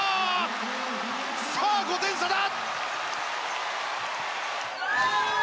さあ、５点差だ！